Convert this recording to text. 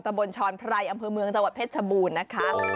ตะบลชรไพรอำเภอเมืองจังหวัดเพชรชบูรณ์